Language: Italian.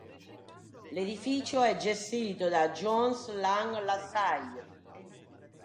L'edificio è gestito da Jones Lang LaSalle.